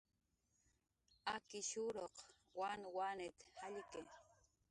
"Akishuruq wanwanit"" jallki"